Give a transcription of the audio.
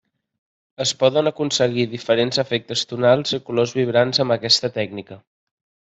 Es poden aconseguir diferents efectes tonals i colors vibrants amb aquesta tècnica.